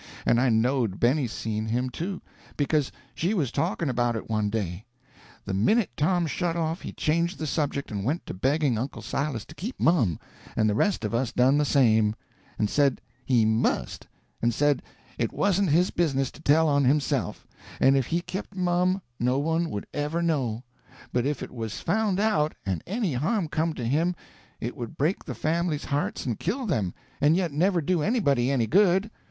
And I knowed Benny seen him, too, because she was talking about it one day. The minute Tom shut off he changed the subject and went to begging Uncle Silas to keep mum, and the rest of us done the same, and said he must, and said it wasn't his business to tell on himself, and if he kept mum nobody would ever know; but if it was found out and any harm come to him it would break the family's hearts and kill them, and yet never do anybody any good.